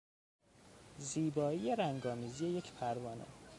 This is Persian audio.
زیبایی رنگ آمیزی یک پروانه